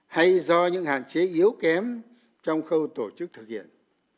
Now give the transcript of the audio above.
hay do những hạn chế yếu kém trong khâu tổ chức thực hiện